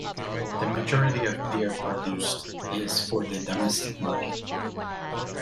The majority of beer produced is for the domestic market.